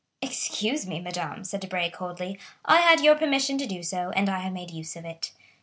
"Excuse me, madame," said Debray coldly, "I had your permission to do so, and I have made use of it.